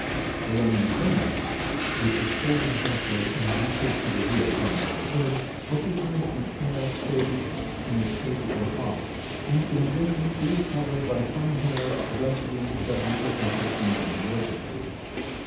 The long antenna which is folded backward and reaches to the rear part of the head, occupies an air space in its apical half, and in addition is covered by fine hairs, thus being doubly protected from being wetted.